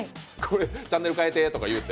「チャンネル替えて」とか言うて。